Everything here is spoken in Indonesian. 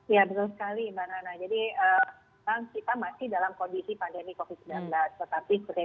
ya betul sekali mbak nana jadi sekarang kita masih dalam kondisi pandemi covid sembilan belas tetapi seperti yang